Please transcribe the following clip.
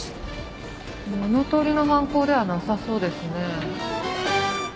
物取りの犯行ではなさそうですね。